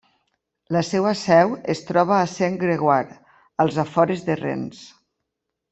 La seva seu es troba a Saint-Grégoire, als afores de Rennes.